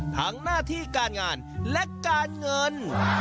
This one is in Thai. หน้าที่การงานและการเงิน